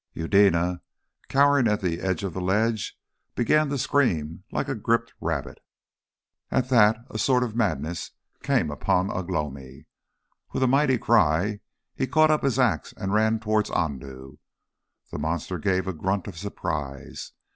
Eudena, cowering at the end of the ledge, began to scream like a gripped rabbit. At that a sort of madness came upon Ugh lomi. With a mighty cry, he caught up his axe and ran towards Andoo. The monster gave a grunt of surprise.